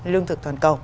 lương thực toàn cầu